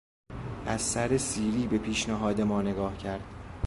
از سرسیری به پیشنهاد ما نگاه کرد.